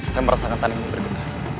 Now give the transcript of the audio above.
saya merasakan tanah ini bergetar